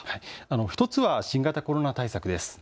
１つは新型コロナ対策です。